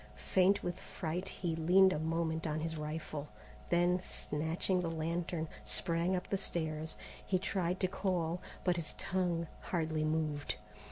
Faint with fright he leaned a moment on his rifle, then, snatching the lantern, sprang up the stairs. He tried to call, but his tongue hardly moved.